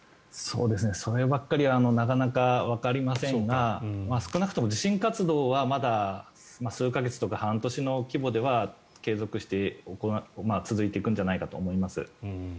そればっかりはなかなかわかりませんが少なくとも地震活動はまだ数か月とか半年の規模では継続して続いていくんじゃないかと思います。